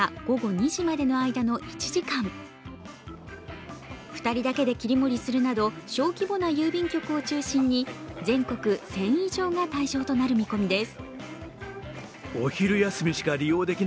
２人だけで切り盛りするなど、小規模な郵便局を中心に全国１０００以上が対象となる見込みです。